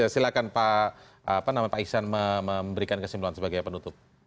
silahkan pak iksan memberikan kesimpulan sebagai penutup